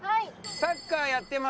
「サッカーやってます」